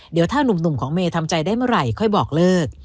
เดี๋ยวถ้านุ่มของเมย์ทำใจได้เมื่อไหร่ค่อยบอกเลิก